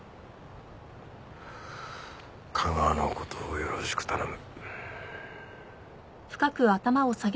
架川の事をよろしく頼む。